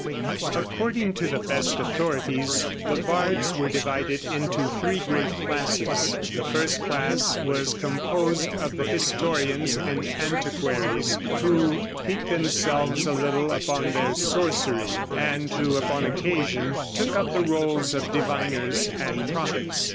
] According to the best authorities the bards were divided into three great classes. The first class was composed of the historians and antiquaries, who piqued themselves a little upon their sorcery, and who, upon occasion, took up the rôles of diviners and prophets.